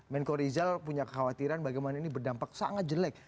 menko rizal punya kekhawatiran bagaimana ini berdampak sangat jelek